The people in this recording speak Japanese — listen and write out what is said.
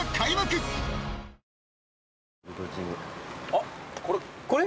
あっこれ？